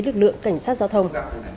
lực lượng cảnh sát giao thông